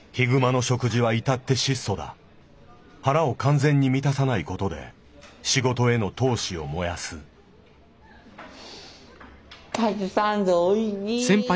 腹を完全に満たさないことで仕事への闘志を燃やすカツサンドおいし。